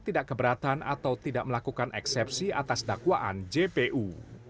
tidak keberatan atau tidak melakukan eksepsi atas dakwaan jpu